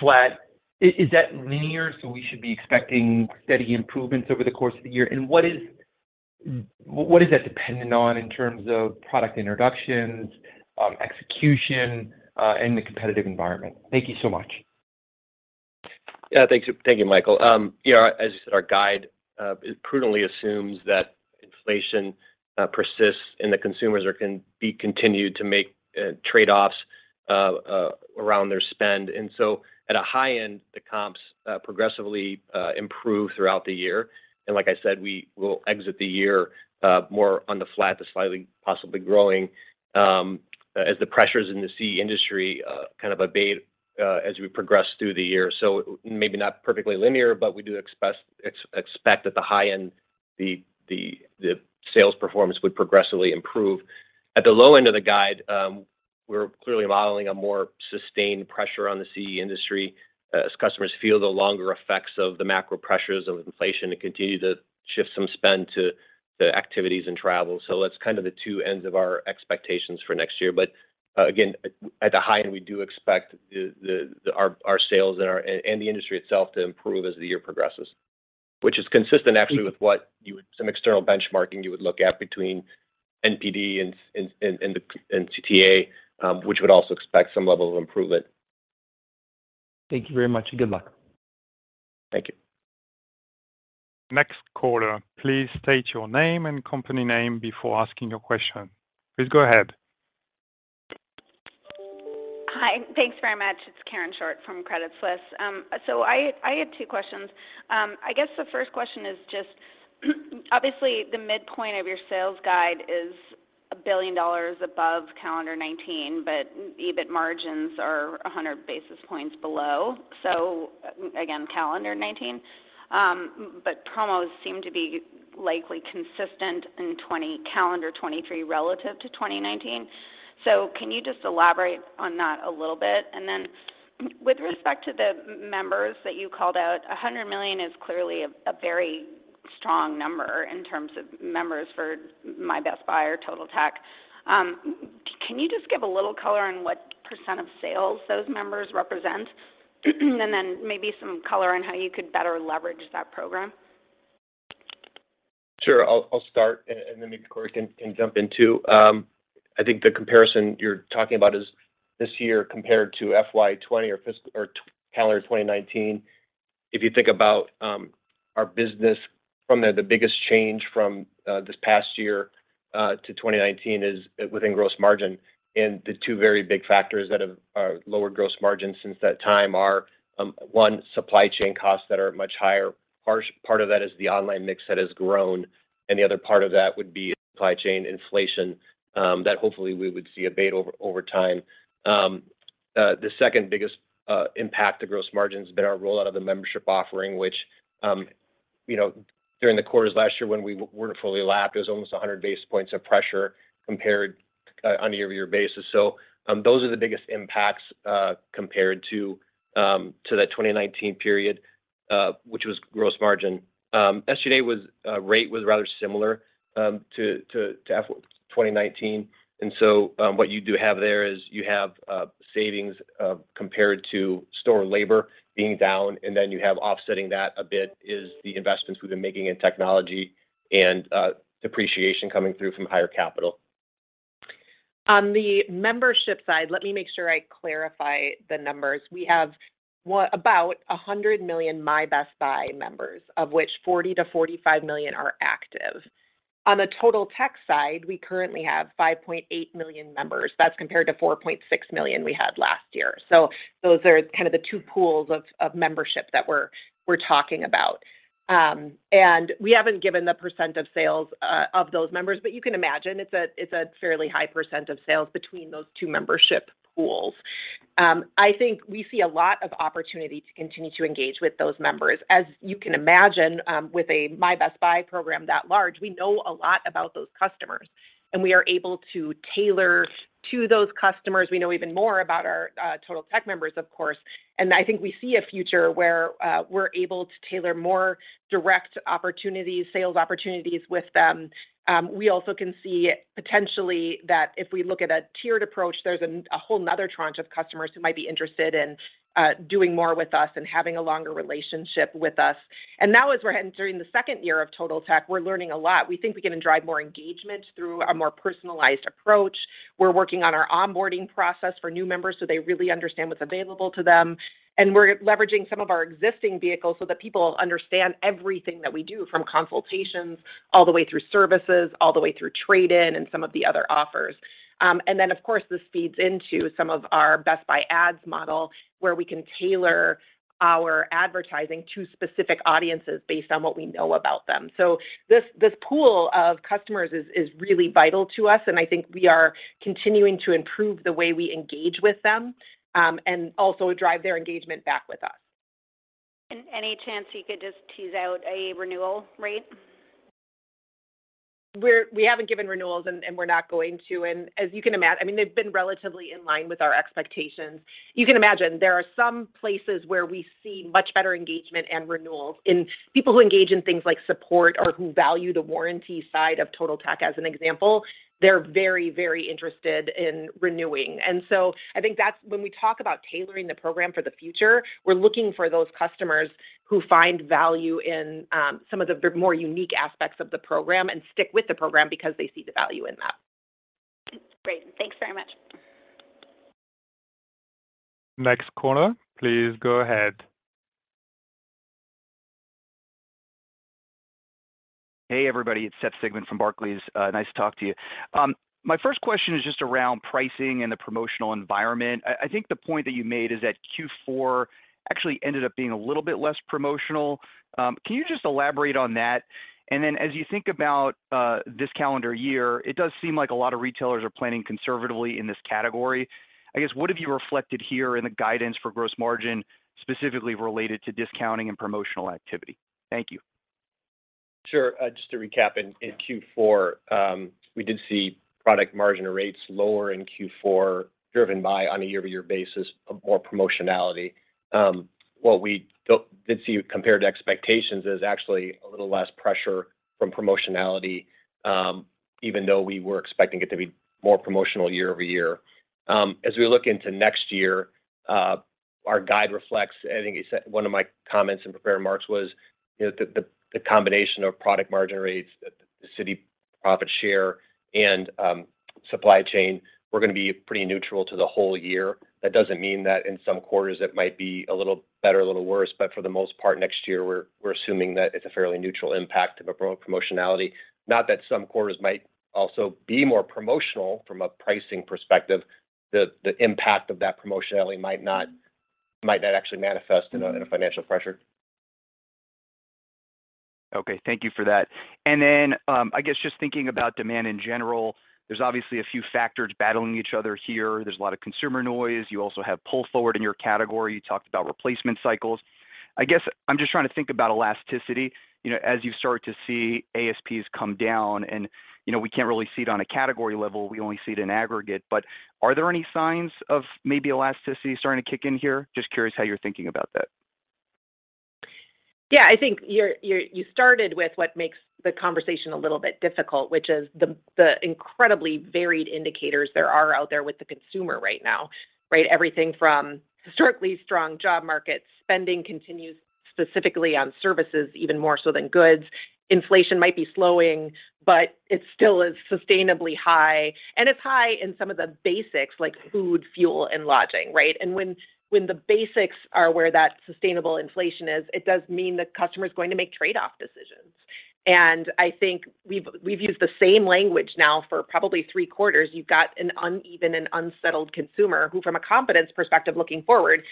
flat, is that linear, so we should be expecting steady improvements over the course of the year? What is that dependent on in terms of product introductions, execution, and the competitive environment? Thank you so much. Thanks. Thank you, Michael. you know, as you said, our guide, it prudently assumes that inflation persists and the consumers be continued to make trade-offs around their spend. At a high end, the comps progressively improve throughout the year. Like I said, we will exit the year more on the flat to slightly possibly growing as the pressures in the CE industry kind of abate as we progress through the year. Maybe not perfectly linear, but we do expect at the high end, the sales performance would progressively improve. At the low end of the guide, we're clearly modeling a more sustained pressure on the CE industry as customers feel the longer effects of the macro pressures of inflation and continue to shift some spend to activities and travel. That's kind of the two ends of our expectations for next year. Again, at the high end, we do expect our sales and the industry itself to improve as the year progresses, which is consistent actually with what you would. Some external benchmarking you would look at between NPD and CTA, which would also expect some level of improvement. Thank you very much, and good luck. Thank you. Next caller, please state your name and company name before asking your question. Please go ahead. Hi, thanks very much. It's Karen Short from Credit Suisse. I had two questions. I guess the first question is just, obviously, the midpoint of your sales guide is $1 billion above calendar 2019, EBIT margins are 100 basis points below. Again, calendar 2019. Promos seem to be likely consistent in calendar 2023 relative to 2019. Can you just elaborate on that a little bit? With respect to the members that you called out, 100 million is clearly a very strong number in terms of members for My Best Buy or Totaltech. Can you just give a little color on what % of sales those members represent? And then maybe some color on how you could better leverage that program. Sure. I'll start and then maybe Corie can jump in too. I think the comparison you're talking about is this year compared to FY 20 or fiscal or calendar 2019. If you think about our business from the biggest change from this past year to 2019 is within gross margin. The two very big factors that have lowered gross margin since that time are one, supply chain costs that are much higher. Part of that is the online mix that has grown, and the other part of that would be supply chain inflation, that hopefully we would see abate over time. The second biggest impact to gross margin has been our rollout of the membership offering, which, you know, during the quarters last year when we were to fully lap, it was almost 100 basis points of pressure compared on a year-over-year basis. Those are the biggest impacts compared to that 2019 period, which was gross margin. SG&A rate was rather similar to 2019. What you do have there is you have savings compared to store labor being down, and then you have offsetting that a bit is the investments we've been making in technology and depreciation coming through from higher capital. On the membership side, let me make sure I clarify the numbers. We have about 100 million My Best Buy members, of which 40 million-45 million are active. On the Totaltech side, we currently have 5.8 million members. That's compared to 4.6 million we had last year. Those are kind of the two pools of membership that we're talking about. We haven't given the % of sales of those members, but you can imagine it's a, it's a fairly high % of sales between those two membership pools. I think we see a lot of opportunity to continue to engage with those members. As you can imagine, with a My Best Buy program that large, we know a lot about those customers, and we are able to tailor to those customers. We know even more about our Totaltech members, of course. I think we see a future where we're able to tailor more direct opportunities, sales opportunities with them. We also can see potentially that if we look at a tiered approach, there's a whole another tranche of customers who might be interested in doing more with us and having a longer relationship with us. Now as we're entering the second year of Totaltech, we're learning a lot. We think we can drive more engagement through a more personalized approach. We're working on our onboarding process for new members, so they really understand what's available to them. We're leveraging some of our existing vehicles so that people understand everything that we do, from consultations all the way through services, all the way through trade-in and some of the other offers. Of course, this feeds into some of our Best Buy Ads model, where we can tailor our advertising to specific audiences based on what we know about them. This pool of customers is really vital to us, and I think we are continuing to improve the way we engage with them, and also drive their engagement back with us. Any chance you could just tease out a renewal rate? We haven't given renewals, and we're not going to. As you can I mean, they've been relatively in line with our expectations. You can imagine there are some places where we see much better engagement and renewals in people who engage in things like support or who value the warranty side of Totaltech, as an example, they're very, very interested in renewing. I think that's when we talk about tailoring the program for the future, we're looking for those customers who find value in some of the more unique aspects of the program and stick with the program because they see the value in that. Great. Thanks very much. Next caller, please go ahead. Hey, everybody, it's Seth Sigman from Barclays. Nice to talk to you. My first question is just around pricing and the promotional environment. I think the point that you made is that Q4 actually ended up being a little bit less promotional. Can you just elaborate on that? As you think about this calendar year, it does seem like a lot of retailers are planning conservatively in this category. I guess, what have you reflected here in the guidance for gross margin, specifically related to discounting and promotional activity? Thank you. Sure. Just to recap in Q4, we did see product margin rates lower in Q4, driven by, on a year-over-year basis, more promotionality. What we did see compared to expectations is actually a little less pressure from promotionality, even though we were expecting it to be more promotional year over year. As we look into next year, our guide reflects, I think it's, one of my comments in prepared marks was, you know, the combination of product margin Citi profit share and supply chain, we're gonna be pretty neutral to the whole year. That doesn't mean that in some quarters, it might be a little better, a little worse, but for the most part next year, we're assuming that it's a fairly neutral impact of promotionality. Not that some quarters might also be more promotional from a pricing perspective. The impact of that promotionality might not actually manifest in a financial pressure. Okay. Thank you for that. I guess just thinking about demand in general, there's obviously a few factors battling each other here. There's a lot of consumer noise. You also have pull-forward in your category. You talked about replacement cycles. I guess I'm just trying to think about elasticity, you know, as you start to see ASPs come down and, you know, we can't really see it on a category level, we only see it in aggregate. Are there any signs of maybe elasticity starting to kick in here? Just curious how you're thinking about that. I think you started with what makes the conversation a little bit difficult, which is the incredibly varied indicators there are out there with the consumer right now, right? Everything from historically strong job markets, spending continues specifically on services even more so than goods. Inflation might be slowing, but it still is sustainably high, and it's high in some of the basics like food, fuel, and lodging, right? When the basics are where that sustainable inflation is, it does mean the customer is going to make trade-off decisions. I think we've used the same language now for probably Q3. You've got an uneven and unsettled consumer who, from a confidence perspective looking forward,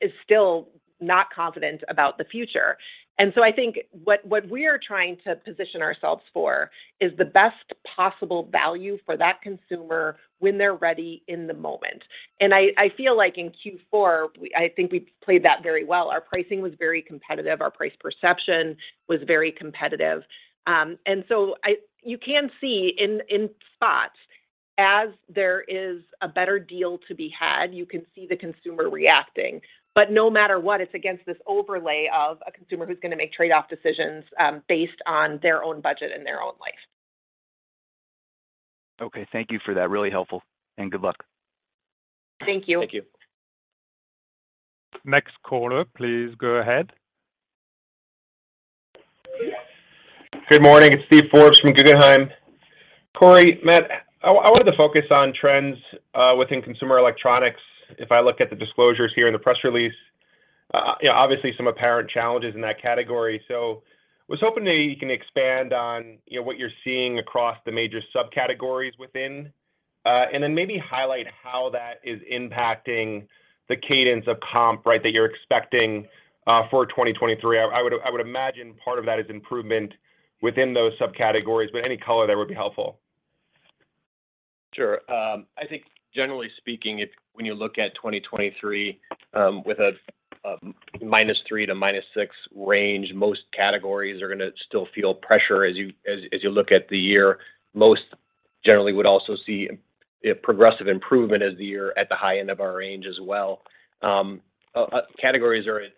is still not confident about the future. I think what we're trying to position ourselves for is the best possible value for that consumer when they're ready in the moment. I feel like in Q4, I think we played that very well. Our pricing was very competitive, our price perception was very competitive. You can see in spots, as there is a better deal to be had, you can see the consumer reacting. No matter what, it's against this overlay of a consumer who's gonna make trade-off decisions, based on their own budget and their own life. Okay. Thank you for that. Really helpful, and good luck. Thank you. Thank you. Next caller, please go ahead. Good morning. It's Steven Forbes from Guggenheim. Corie, Matt, I wanted to focus on trends within consumer electronics. If I look at the disclosures here in the press release, you know, obviously some apparent challenges in that category. I was hoping that you can expand on, you know, what you're seeing across the major subcategories within, and then maybe highlight how that is impacting the cadence of comp, right, that you're expecting for 2023. I would imagine part of that is improvement within those subcategories, but any color there would be helpful. Sure. I think generally speaking, if when you look at 2023, with a -3% to -6% range, most categories are going to still feel pressure as you look at the year. Most generally would also see a progressive improvement as the year at the high end of our range as well. Categories are at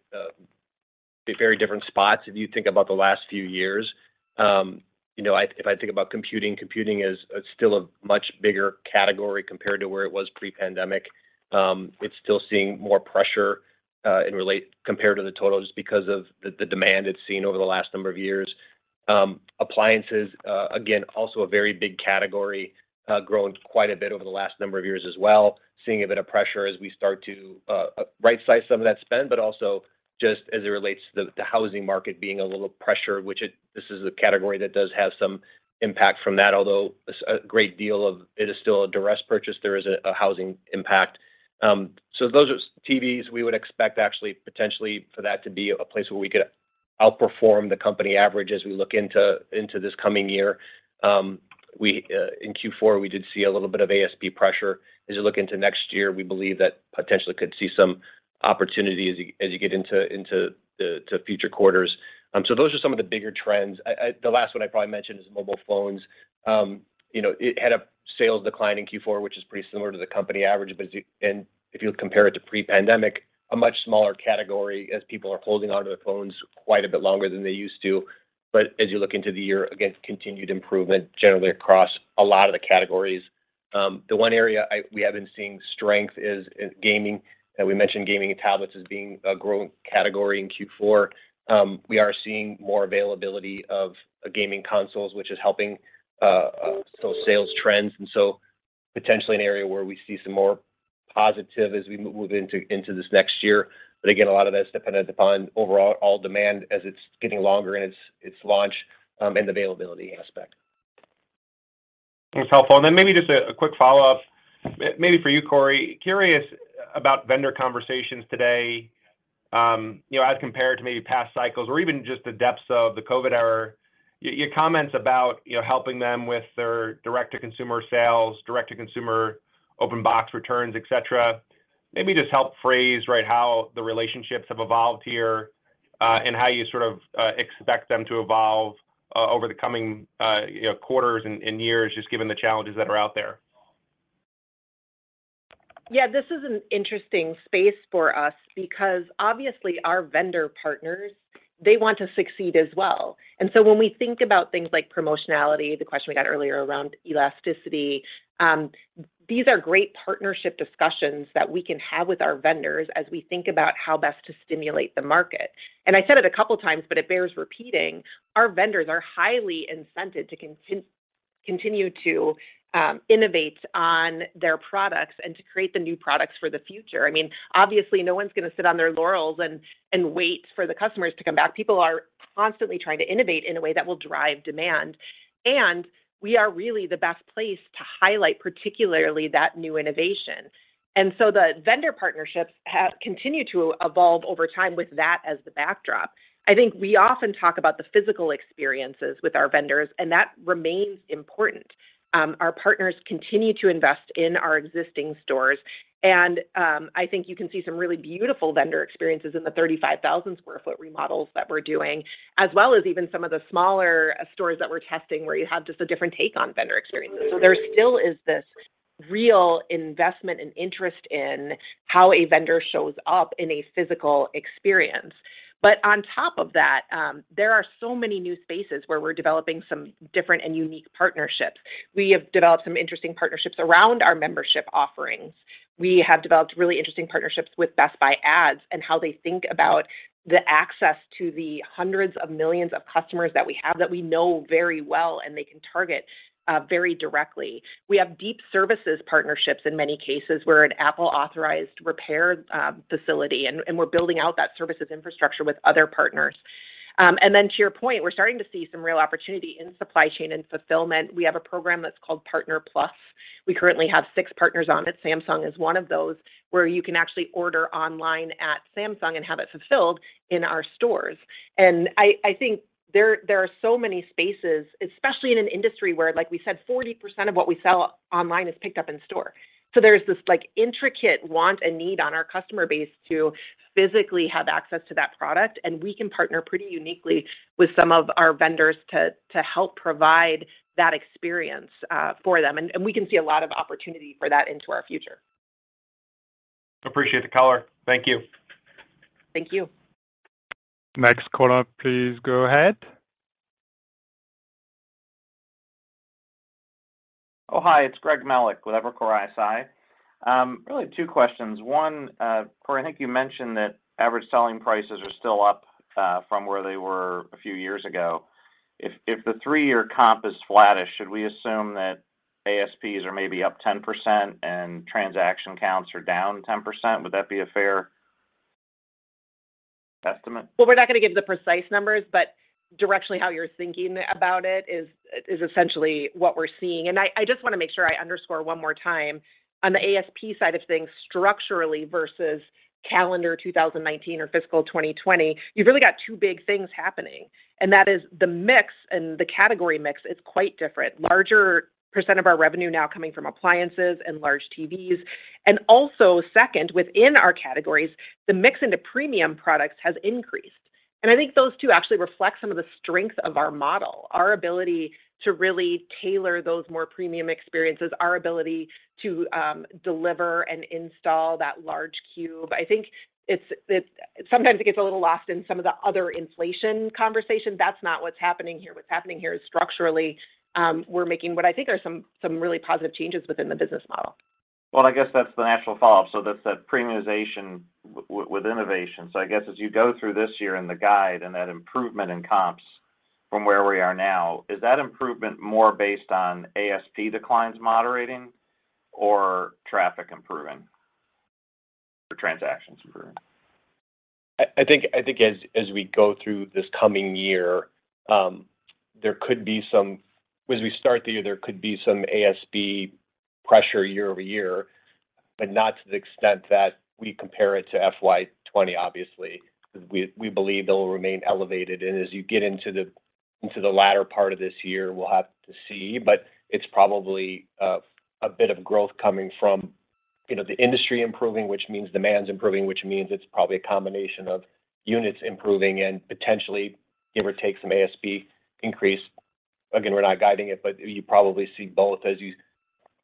very different spots if you think about the last few years. You know, if I think about computing is still a much bigger category compared to where it was pre-pandemic. It's still seeing more pressure in relate compared to the total just because of the demand it's seen over the last number of years. Appliances, again, also a very big category, grown quite a bit over the last number of years as well, seeing a bit of pressure as we start to right-size some of that spend, but also just as it relates to the housing market being a little pressured. This is a category that does have some impact from that, although a great deal of it is still a duress purchase, there is a housing impact. TVs, we would expect actually potentially for that to be a place where we could outperform the company average as we look into this coming year. We, in Q4, did see a little bit of ASP pressure. As you look into next year, we believe that potentially could see some opportunity as you get into the future quarters. Those are some of the bigger trends. The last one I'd probably mention is mobile phones. You know, it had a sales decline in Q4, which is pretty similar to the company average, if you compare it to pre-pandemic, a much smaller category as people are holding onto their phones quite a bit longer than they used to. As you look into the year, again, continued improvement generally across a lot of the categories. The one area we have been seeing strength is gaming. We mentioned gaming and tablets as being a growing category in Q4. We are seeing more availability of gaming consoles, which is helping those sales trends, potentially an area where we see some more positive as we move into this next year. A lot of that is dependent upon overall demand as it's getting longer in its launch and availability aspect. That's helpful. Then maybe just a quick follow-up maybe for you, Corie. Curious about vendor conversations today, you know, as compared to maybe past cycles or even just the depths of the COVID era. Your comments about, you know, helping them with their direct-to-consumer sales, direct-to-consumer open box returns, et cetera, maybe just help phrase, right, how the relationships have evolved here, and how you sort of expect them to evolve over the coming, you know, quarters and years, just given the challenges that are out there? Yeah. This is an interesting space for us because obviously, our vendor partners, they want to succeed as well. When we think about things like promotionality, the question we got earlier around elasticity, these are great partnership discussions that we can have with our vendors as we think about how best to stimulate the market. I said it a couple times, but it bears repeating, our vendors are highly incented to continue to innovate on their products and to create the new products for the future. I mean, obviously, no one's gonna sit on their laurels and wait for the customers to come back. People are constantly trying to innovate in a way that will drive demand, and we are really the best place to highlight particularly that new innovation. The vendor partnerships have continued to evolve over time with that as the backdrop. I think we often talk about the physical experiences with our vendors, and that remains important. Our partners continue to invest in our existing stores, and I think you can see some really beautiful vendor experiences in the 35,000-square-foot remodels that we're doing, as well as even some of the smaller stores that we're testing where you have just a different take on vendor experiences. There still is this real investment and interest in how a vendor shows up in a physical experience. On top of that, there are so many new spaces where we're developing some different and unique partnerships. We have developed some interesting partnerships around our membership offerings. We have developed really interesting partnerships with Best Buy Ads and how they think about the access to the hundreds of millions of customers that we have that we know very well and they can target very directly. We have deep services partnerships in many cases. We're an Apple Authorized Repair Facility, and we're building out that services infrastructure with other partners. Then to your point, we're starting to see some real opportunity in supply chain and fulfillment. We have a program that's called Partner Plus. We currently have six partners on it, Samsung is one of those, where you can actually order online at Samsung and have it fulfilled in our stores. I think there are so many spaces, especially in an industry where, like we said, 40% of what we sell online is picked up in store. There's this, like, intricate want and need on our customer base to physically have access to that product, and we can partner pretty uniquely with some of our vendors to help provide that experience, for them. We can see a lot of opportunity for that into our future. Appreciate the color. Thank you. Thank you. Next caller, please go ahead. Hi. It's Greg Melich with Evercore ISI. Really two questions. One, Corie, I think you mentioned that average selling prices are still up from where they were a few years ago. If the three-year comp is flattish, should we assume that ASPs are maybe up 10% and transaction counts are down 10%? Would that be a fair testament? we're not gonna give the precise numbers, but directionally how you're thinking about it is essentially what we're seeing. I just wanna make sure I underscore one more time, on the ASP side of things, structurally versus calendar 2019 or fiscal 2020, you've really got two big things happening, and that is the mix and the category mix is quite different. Larger % of our revenue now coming from appliances and large TVs. second, within our categories, the mix into premium products has increased. I think those two actually reflect some of the strengths of our model, our ability to really tailor those more premium experiences, our ability to deliver and install that large cube. I think it's sometimes it gets a little lost in some of the other inflation conversation. That's not what's happening here. What's happening here is structurally, we're making what I think are some really positive changes within the business model. Well, I guess that's the natural follow-up. That's that premiumization with innovation. I guess as you go through this year and the guide and that improvement in comps from where we are now, is that improvement more based on ASP declines moderating or traffic improving or transactions improving? I think as we go through this coming year, As we start the year, there could be some ASP pressure year-over-year, but not to the extent that we compare it to FY 20, obviously. We believe it will remain elevated. As you get into the latter part of this year, we'll have to see. It's probably a bit of growth coming from, you know, the industry improving, which means demand's improving, which means it's probably a combination of units improving and potentially give or take some ASP increase. Again, we're not guiding it, but you probably see both.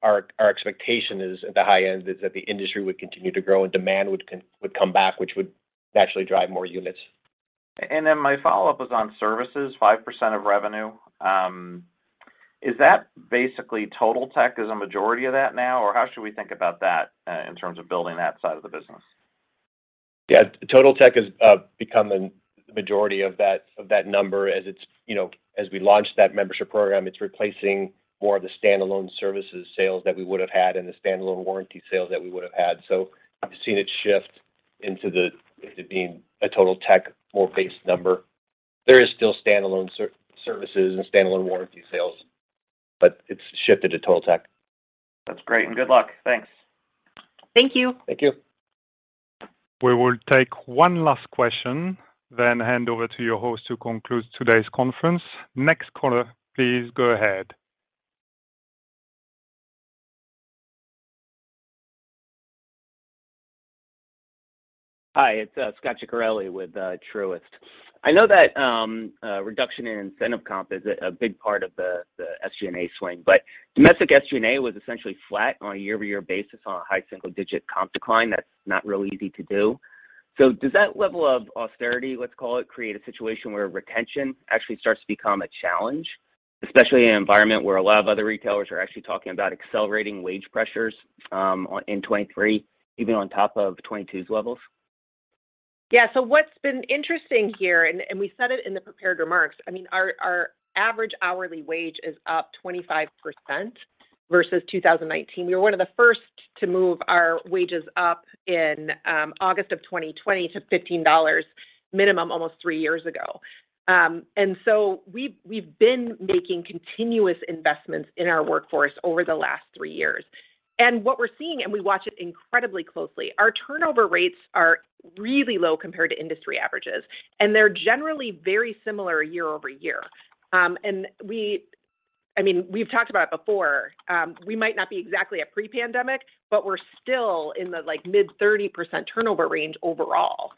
Our expectation is at the high end is that the industry would continue to grow and demand would come back, which would naturally drive more units. My follow-up was on services, 5% of revenue. Is that basically Totaltech is a majority of that now, or how should we think about that in terms of building that side of the business? Yeah. Totaltech has become the majority of that number as it's, you know, as we launch that membership program, it's replacing more of the standalone services sales that we would have had and the standalone warranty sales that we would have had. I've seen it shift into it being a Totaltech more based number. There is still standalone services and standalone warranty sales, it's shifted to Totaltech. That's great. Good luck. Thanks. Thank you. Thank you. We will take one last question, then hand over to your host to conclude today's conference. Next caller, please go ahead. Hi, it's Scot Ciccarelli with Truist. I know that a reduction in incentive comp is a big part of the SG&A swing, but domestic SG&A was essentially flat on a year-over-year basis on a high single-digit comp decline. That's not real easy to do. Does that level of austerity, let's call it, create a situation where retention actually starts to become a challenge, especially in an environment where a lot of other retailers are actually talking about accelerating wage pressures in 2023, even on top of 2022's levels? Yeah. What's been interesting here, and we said it in the prepared remarks, I mean, our average hourly wage is up 25% versus 2019. We were one of the first to move our wages up in August of 2020 to $15 minimum almost three years ago. We've been making continuous investments in our workforce over the last three years. What we're seeing, and we watch it incredibly closely, our turnover rates are really low compared to industry averages, and they're generally very similar year-over-year. We I mean, we've talked about it before. We might not be exactly at pre-pandemic, but we're still in the, like, mid 30% turnover range overall.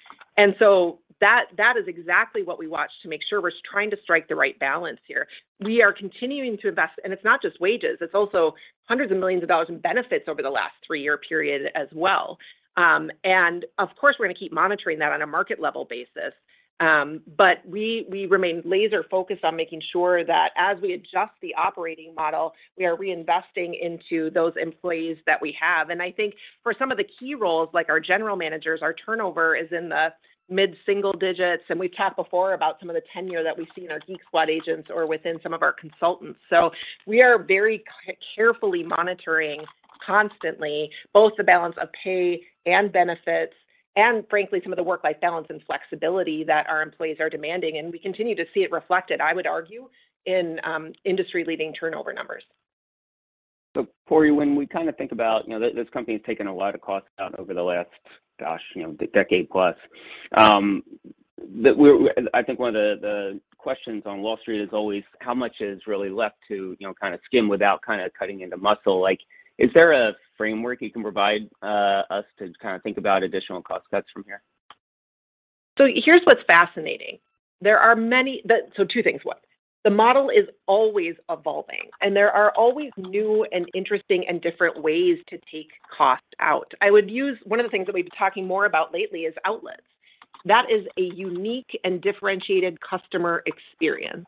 That is exactly what we watch to make sure we're trying to strike the right balance here. We are continuing to invest, and it's not just wages, it's also hundreds of millions of dollars in benefits over the last three-year period as well. Of course, we're going to keep monitoring that on a market level basis. We remain laser focused on making sure that as we adjust the operating model, we are reinvesting into those employees that we have. I think for some of the key roles, like our general managers, our turnover is in the mid single digits. We've talked before about some of the tenure that we see in our Geek Squad agents or within some of our consultants. We are very carefully monitoring constantly both the balance of pay and benefits and frankly, some of the work-life balance and flexibility that our employees are demanding, and we continue to see it reflected, I would argue, in industry-leading turnover numbers. Corie, when we kinda think about, you know, this company has taken a lot of costs out over the last, gosh, you know, decade plus, I think one of the questions on Wall Street is always how much is really left to, you know, kinda skim without kinda cutting into muscle? Like, is there a framework you can provide us to kinda think about additional cost cuts from here? Here's what's fascinating. There are many. Two things. One, the model is always evolving, and there are always new and interesting and different ways to take cost out. I would use one of the things that we've been talking more about lately is outlets. That is a unique and differentiated customer experience,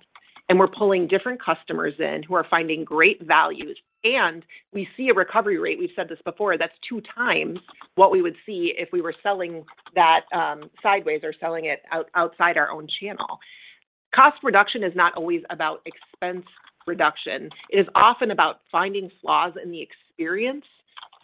and we're pulling different customers in who are finding great value. We see a recovery rate, we've said this before, that's two times what we would see if we were selling that sideways or selling it outside our own channel. Cost reduction is not always about expense reduction. It is often about finding flaws in the experience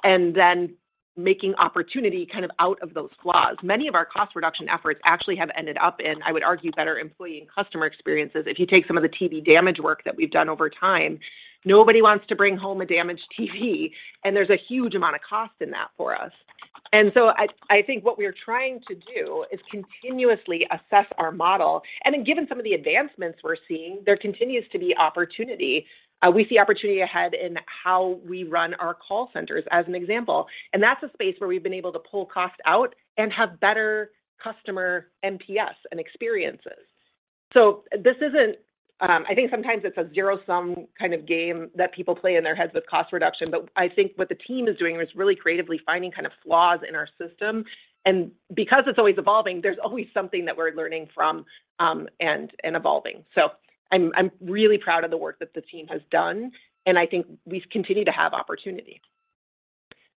and then making opportunity kind of out of those flaws. Many of our cost reduction efforts actually have ended up in, I would argue, better employee and customer experiences. If you take some of the TV damage work that we've done over time, nobody wants to bring home a damaged TV, and there's a huge amount of cost in that for us. I think what we are trying to do is continuously assess our model. Given some of the advancements we're seeing, there continues to be opportunity. We see opportunity ahead in how we run our call centers, as an example, and that's a space where we've been able to pull cost out and have better customer NPS and experiences. This isn't, I think sometimes it's a zero-sum kind of game that people play in their heads with cost reduction. I think what the team is doing is really creatively finding kind of flaws in our system. Because it's always evolving, there's always something that we're learning from, and evolving. I'm really proud of the work that the team has done, and I think we continue to have opportunity.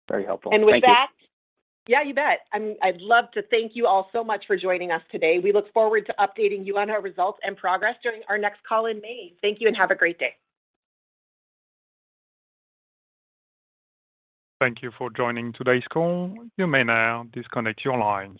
Very helpful. Thank you. With that... Yeah, you bet. I'd love to thank you all so much for joining us today. We look forward to updating you on our results and progress during our next call in May. Thank you and have a great day. Thank you for joining today's call. You may now disconnect your lines.